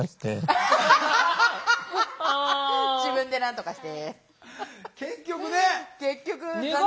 自分でなんとかして。